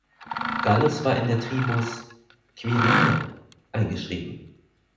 Gallus war in der Tribus "Quirina" eingeschrieben.